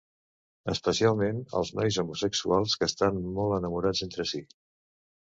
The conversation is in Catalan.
Especialment, als nois homosexuals que estan molt enamorats entre si.